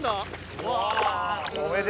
うわ。